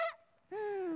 うん？